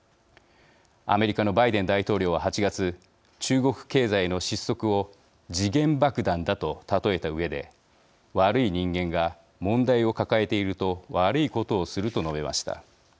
アメリカのバイデン大統領は８月中国経済の失速を時限爆弾だと例えたうえで「悪い人間が問題を抱えていると悪いことをする」と述べました。